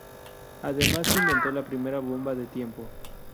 Además inventó la primera bomba de tiempo.